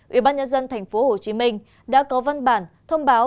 ủy ban nhân dân tp hcm đã có văn bản thông báo